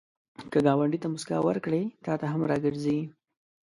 که ګاونډي ته مسکا ورکړې، تا ته هم راګرځي